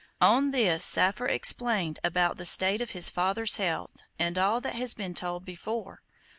On this Saphir explained about the state of his father's health, and all that has been told before.